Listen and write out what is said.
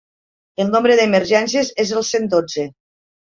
El nombre d'emergències és el cent dotze.